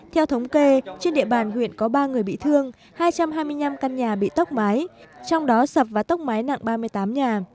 theo thống kê trên địa bàn huyện có ba người bị thương hai trăm hai mươi năm căn nhà bị tốc mái trong đó sập và tốc mái nặng ba mươi tám nhà